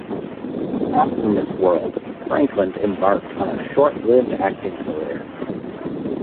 After Miss World, Frankland embarked on a short-lived acting career.